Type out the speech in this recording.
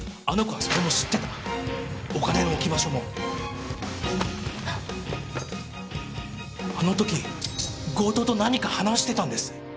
あの子はそれも知ってたお金の置き場所もあの時強盗と何か話してたんです